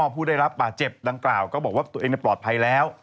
ผู้ได้รับบาดเจ็บดังกล่าวก็บอกว่าตัวเองปลอดภัยแล้ว